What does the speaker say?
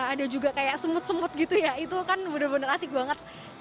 ada juga kayak semut semut gitu ya itu kan benar benar asik banget